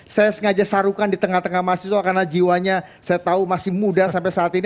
saya sengaja sarukan di tengah tengah mahasiswa karena jiwanya saya tahu masih muda sampai saat ini